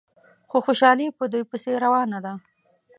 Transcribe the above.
خو خوشحالي په دوی پسې روانه ده.